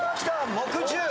木１０。